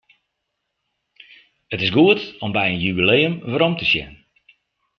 It is goed om by in jubileum werom te sjen.